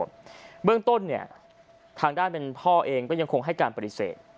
เบื้องต้นเนี่ยทางด้านเป็นพ่อเองก็ยังคงให้การปฏิเสธ